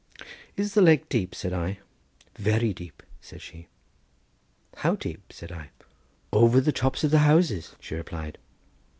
"Is the lake deep?" said I. "Very deep," said she. "How deep?" said I. "Over the tops of the houses," she replied.